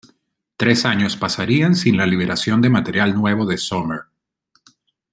Tres años pasarían sin la liberación de material nuevo de Summer.